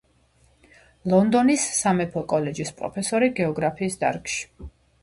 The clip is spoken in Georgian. ლონდონის სამეფო კოლეჯის პროფესორი გეოგრაფიის დარგში.